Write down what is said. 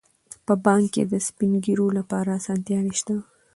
په بانک کې د سپین ږیرو لپاره اسانتیاوې شته.